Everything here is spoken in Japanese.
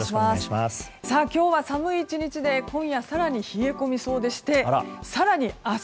今日は寒い１日で今夜、更に冷え込みそうでして更に、明日